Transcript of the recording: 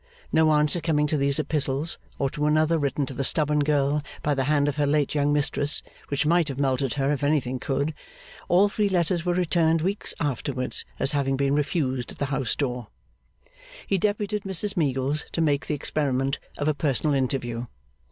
No answer coming to these epistles, or to another written to the stubborn girl by the hand of her late young mistress, which might have melted her if anything could (all three letters were returned weeks afterwards as having been refused at the house door), he deputed Mrs Meagles to make the experiment of a personal interview.